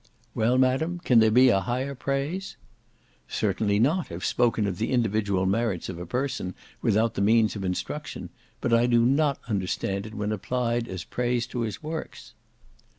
"Well, madam, can there be a higher praise?" "Certainly not, if spoken of the individual merits of a person, without the means of instruction, but I do not understand it when applied as praise to his works."